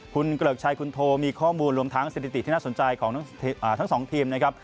คุณเกริกชัยคุณโทมีข้อมูลรวมทั้งสถิติที่น่าสนใจของทั้งสองทีมนะครับ